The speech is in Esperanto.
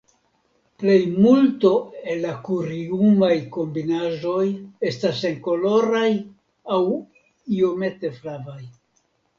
Plejmulto el la kuriumaj kombinaĵoj estas senkoloraj aŭ iomete flavaj.